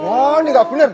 wah ini enggak bener